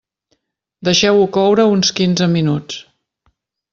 Deixeu-ho coure uns quinze minuts.